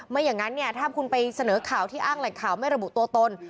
อย่างนั้นเนี่ยถ้าคุณไปเสนอข่าวที่อ้างแหล่งข่าวไม่ระบุตัวตน